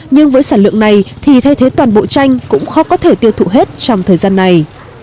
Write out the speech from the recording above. nhưng với sản lượng này thì thay thế toàn bộ chanh cũng khó có thể tiêu thụ hết trong thời gian này